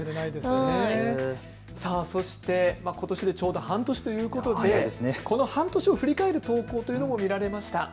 そしてことしちょうど半年ということでこの半年を振り返る投稿というのも見られました。